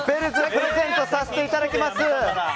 プレゼントさせていただきます。